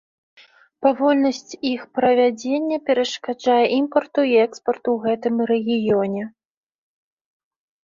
Павольнасць іх правядзення перашкаджае імпарту і экспарту ў гэтым рэгіёне.